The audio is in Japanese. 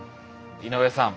井上さん